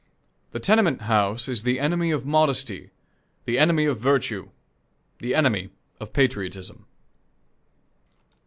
The tenement house is the enemy of modesty, the enemy of virtue, the enemy of patriotism.